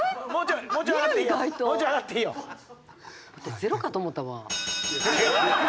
ゼロかと思ったわ。